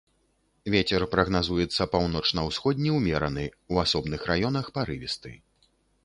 Вецер прагназуецца паўночна-ўсходні ўмераны, у асобных раёнах парывісты.